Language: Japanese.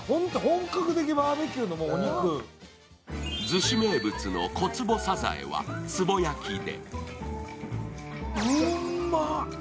逗子名物の小坪さざえはつぼ焼きで。